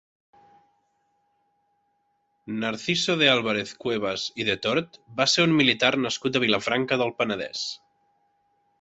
Narciso de Álvarez-Cuevas i de Tord va ser un militar nascut a Vilafranca del Penedès.